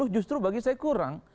justru bagi saya kurang